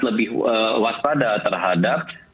lebih waspada terhadap